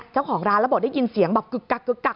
เจ้าของร้านระบบได้ยินเสียงแบบกึกกัก